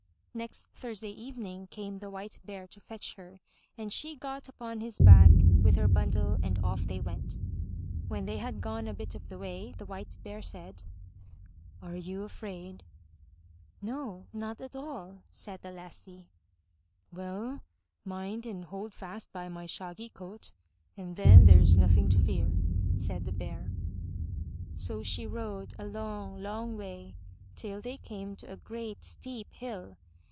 Next Thursday evening came the White Bear to fetch her, and she got upon his back with her bundle and off they went. When they had gone a bit of the way, the White Bear said: "Are you afraid?" "No, not at all," said the lassie. "Well, mind and hold fast by my shaggy coat, and then there's nothing to fear," said the Bear. So she rode a long, long way till they came to a great steep hill.